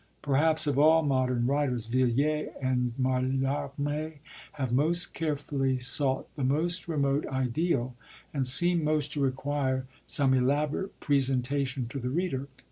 Perhaps of all modern writers Villiers and Mallarmé have most carefully sought the most remote ideal, and seem most to require some elaborate presentation to the reader.